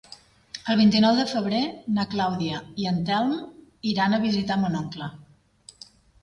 El vint-i-nou de febrer na Clàudia i en Telm iran a visitar mon oncle.